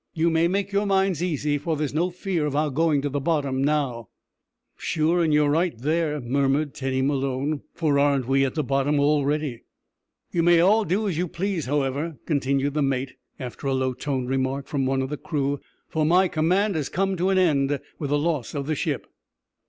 You may make your minds easy, for there's no fear of our going to the bottom now." "Sure, an' you're right there," murmured Teddy Malone, "for aren't we at the bottom already?" "You may all do as you please, however," continued the mate, after a low toned remark from one of the crew, "for my command has come to an end with the loss of the ship."